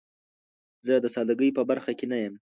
زه د سادګۍ په برخه کې نه یم.